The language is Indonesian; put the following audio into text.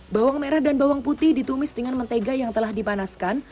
bawang merah dan bawang putih ditumis dengan mentega yang telah dipanaskan